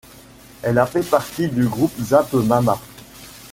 Elle a fait partie du groupe Zap Mama.